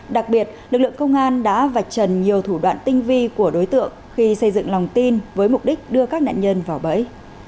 đặc biệt lực lượng công an đã vạch trần nhiều thủ đoạn tinh vi của đối tượng khi xây dựng lòng tin với mục đích đưa các nạn nhân vào bẫy